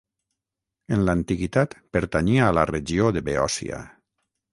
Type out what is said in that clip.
En l'antiguitat pertanyia a la regió de Beòcia.